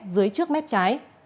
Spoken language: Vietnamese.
dưới trước mép trái